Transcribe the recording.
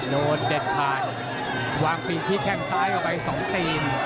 โดนเดทผ่านวางปีที่แข่งซ้ายออกไป๒ตีน